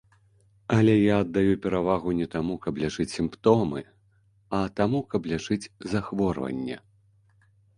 Але я аддаю перавагу не таму, каб лячыць сімптомы, а таму, каб лячыць захворванні.